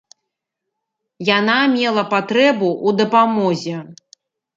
Яна мела патрэбу ў дапамозе.